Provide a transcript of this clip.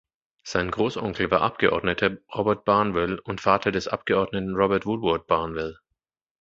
Sein Großonkel war Abgeordneter Robert Barnwell und Vater des Abgeordneten Robert Woodward Barnwell.